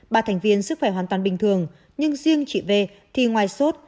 ba thành viên sức khỏe hoàn toàn bình thường nhưng riêng chị v thì ngoài sốt